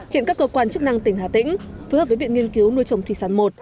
hiện các cơ quan chức năng tỉnh hà tĩnh phối hợp với viện nghiên cứu nuôi trồng thủy sản i